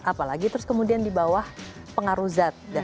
apalagi terus kemudian di bawah pengaruh zat